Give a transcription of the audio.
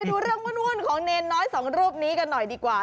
ดูเรื่องวุ่นของเนรน้อยสองรูปนี้กันหน่อยดีกว่า